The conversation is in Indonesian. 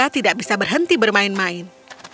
tidak bisa berhenti bermain main